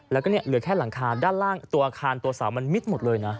แล้วก็เนี่ยเหลือแค่หลังคาด้านล่างตัวอาคารตัวเสามันมิดหมดเลยนะ